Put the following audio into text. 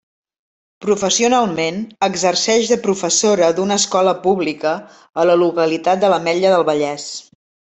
Professionalment, exerceix de professora d'una escola pública a la localitat de l'Ametlla del Vallès.